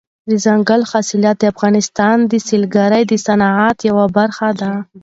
دځنګل حاصلات د افغانستان د سیلګرۍ د صنعت یوه برخه ده.